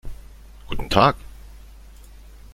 Guten Tag.